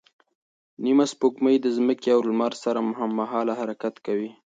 نیمه سپوږمۍ د ځمکې او لمر سره هممهاله حرکت کوي.